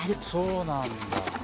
「そうなんだ」